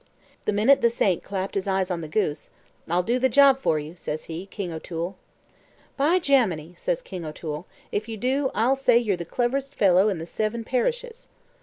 The minute the saint clapt his eyes on the goose, "I'll do the job for you," says he, "King O'Toole." "By Jaminee!" says King O'Toole, "if you do, I'll say you're the cleverest fellow in the seven parishes."